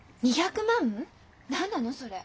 何なのそれ？